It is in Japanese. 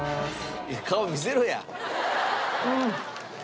顔見せろや！